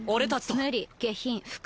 無理下品不快。